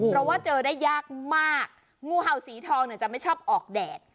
เพราะว่าเจอได้ยากมากงูเห่าสีทองเนี่ยจะไม่ชอบออกแดด